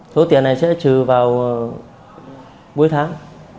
thối tiền này sẽ trừ vào cuối tháng